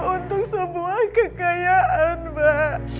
untuk sebuah kekayaan ma